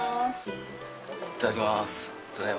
いただきます。